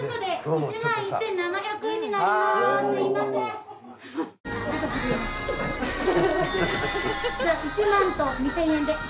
１万と２，０００円で。